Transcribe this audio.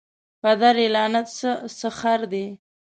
پدر یې لعنت سه څه خره دي